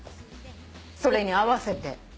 それに合わせて。